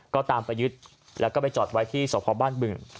ก็ตามไปยึดแล้วก็ไปจอดไว้ที่สพบ้านบึง